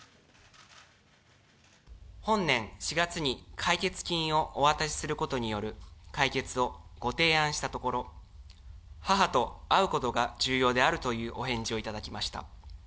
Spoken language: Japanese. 本年４月に解決金をお渡しすることによる解決をご提案したところ、母と会うことが重要であるというお返事を頂きました。